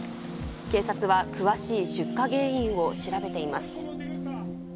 警察は詳しい出火原因を調べています。